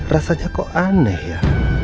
rasanya kok aneh ya